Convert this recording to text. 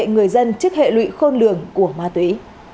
tại người dân chức hệ lụy khôn lường của ma túy